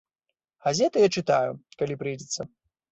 Газеты я чытаю, калі прыйдзецца!